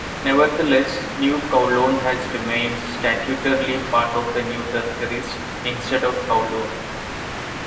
Nevertheless, New Kowloon has remained statutorily part of the New Territories instead of Kowloon.